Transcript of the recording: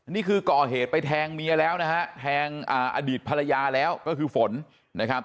นี่คือก่อเหตุไปแทงเมียแล้วนะฮะแทงอดีตภรรยาแล้วก็คือฝนนะครับ